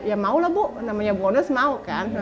ya mau lah bu namanya bonus mau kan